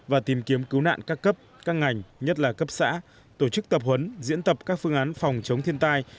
và tìm kiếm cứu nạn các cấp các ngành nhất là cấp xã tổ chức tập huấn diễn tập các phương án phòng chống thiên tai